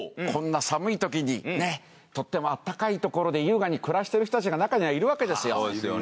こんな寒いときにとってもあったかいところで優雅に暮らしてる人たちがなかにはいるわけですよ。